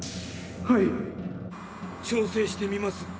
はい調整してみます。